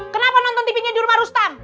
kenapa nonton tv nya di rumah rustam